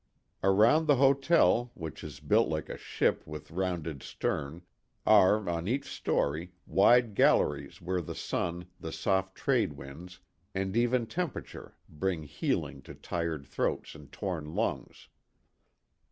Around the hotel, which is built like a ship with rounded stern, are, on each story, wide galleries where the sun, the soft trade winds, and even temperature, bring healing to tired throats and torn lungs.